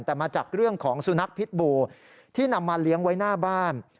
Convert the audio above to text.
แต่มาจากเรื่องของสุนัขพิษบูที่นำมาเลี้ยงไว้หน้าบ้าน